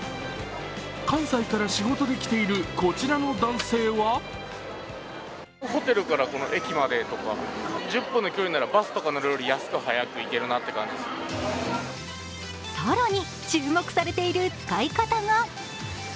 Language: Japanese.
関西から仕事で来ている、こちらの男性は更に注目されている使い方が。